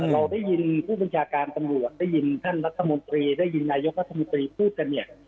เราได้ยินผู้บัญชาการตำรวจได้ยินท่านรัฐมนตรีได้ยินนายกรัฐมนตรีพูดกันเนี่ย